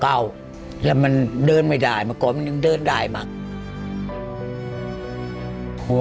เวลาผมพาแม่ไปหาหมอก็อุ่มแม่ช้อนแม่ขึ้นไปที่รถโนไซด์เวลาแม่ก็ขึ้นรถแม่ก็ชอบโยกเหยกแล้วก็ปวดบอกแม่เอาพามามาทำอะไรกูกพามามาคัดเอวสิเดี๋ยวไปหลนแล้วไปกลับอ่ะ๕๐กิโล